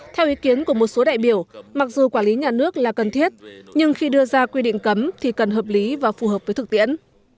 theo ý kiến của một số đại biểu mặc dù quản lý nhà nước là cần thiết nhưng khi đưa ra quy định cấm thì cần hợp lý và phù hợp với thực tiễn